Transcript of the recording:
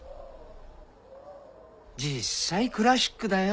実際クラシックだよ